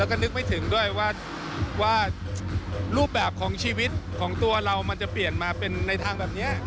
แล้วก็นึกไม่ถึงด้วยว่ารูปแบบของชีวิตของตัวเรามันจะเปลี่ยนมาเป็นในทางแบบนี้